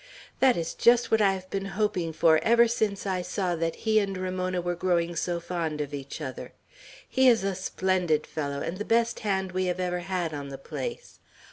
"That is just what I have been hoping for ever since I saw that he and Ramona were growing so fond of each other. He is a splendid fellow, and the best hand we have ever had on the place.